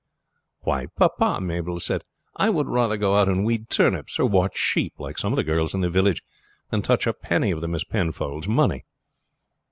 "Why, papa," Mabel said, "I would rather go out and weed turnips or watch sheep, like some of the girls in the village, than touch a penny of the Miss Penfolds' money."